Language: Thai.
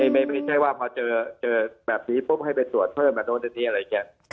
ไม่ใช่ว่าพอเจอแบบนี้ปุ๊บให้ไปตรวจเพิ่มมาโน้นอันนี้อะไรอย่างนี้